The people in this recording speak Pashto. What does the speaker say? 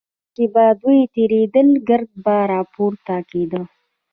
کله چې به دوی تېرېدل ګرد به راپورته کېده.